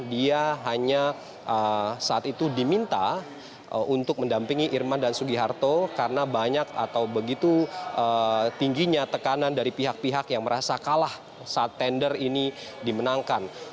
dia hanya saat itu diminta untuk mendampingi irman dan sugiharto karena banyak atau begitu tingginya tekanan dari pihak pihak yang merasa kalah saat tender ini dimenangkan